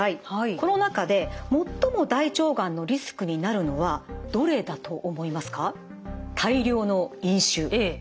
この中で最も大腸がんのリスクになるのはどれだと思いますか？